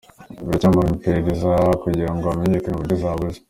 Biracyari mu iperereza kugira ngo hamenyekane uburyo zabuze.